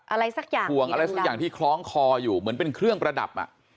อะไรสักอย่างห่วงอะไรสักอย่างที่คล้องคออยู่เหมือนเป็นเครื่องประดับอ่ะ